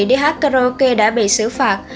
đi hát karaoke đã bị xử phạt